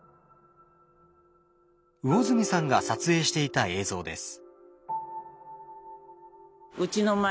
魚住さんが撮影していた映像です。